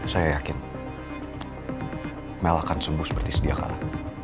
saya yakin mel akan sembuh seperti sedia kala